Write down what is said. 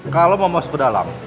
kalau mau masuk ke dalam